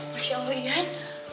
masya allah ian